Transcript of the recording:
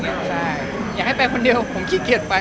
ใช่อย่าให้ไปคนเดียวผมขี้เกียจไป